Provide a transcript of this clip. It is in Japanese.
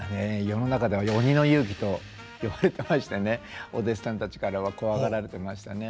世の中では「鬼の雄輝」と呼ばれてましてねお弟子さんたちからは怖がられてましたね。